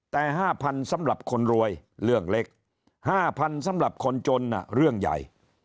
แต่๕๐๐๐สำหรับคนรวยเรื่องเล็ก๕๐๐๐สำหรับคนจนเรื่องใหญ่